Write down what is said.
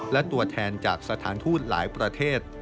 และตัวแทนจากสถานทูตหลายประเทศ